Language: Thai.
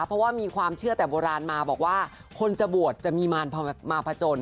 เพราะว่ามีความเชื่อแต่โบราณมาบอกว่าคนจะบวชจะมีมารมาผจญ